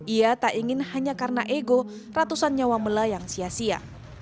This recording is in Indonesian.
ia tak ingin hanya karena ego ratusan nyawa melayang sia sia